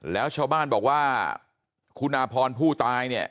แล้วชาวบ้านบอกว่าคุณอาพรผู้ตายเนี่ย